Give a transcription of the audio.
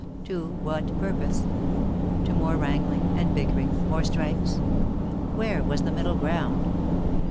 To what purpose? To more wrangling and bickering, more strikes? Where was the middle ground?